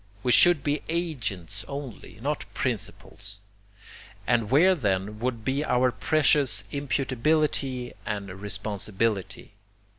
We should be 'agents' only, not 'principals,' and where then would be our precious imputability and responsibility?